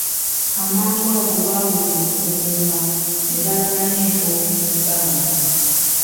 Amangu ago baawulira okuvuuma, ne balaba n'enfuufu mu bbanga.